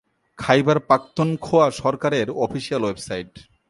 খাইবার পাখতুনখোয়া সরকারের official website